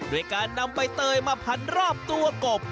ด้วยการนำใบเตยมาพันรอบตัวกบ